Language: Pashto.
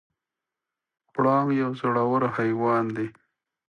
پړانګ یو زړور حیوان دی.